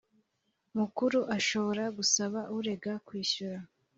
Mukuru ashobora gusaba urega kwishyura